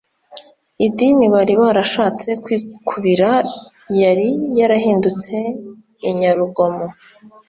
Idini bari barashatse kwikubira yari yarahindutse inyarugomo.